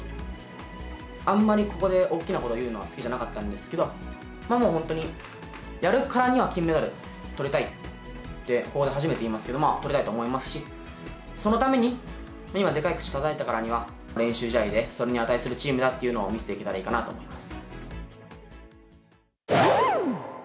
あんまりここで大きなことを言うのは好きじゃなかったんですけど、もう本当に、やるからには金メダルとりたいって、ここで初めて言いますけど、とりたいと思いますし、そのために、今でかい口たたいたからには、練習試合でそれに値するチームだっていうのを見せていけたらいいかなと思います。